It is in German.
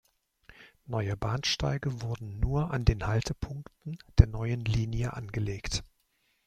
Neue Bahnsteige wurden nur an den Haltepunkten der neuen Linie angelegt.